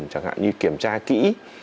chẳng hạn như kiểm tra kỹ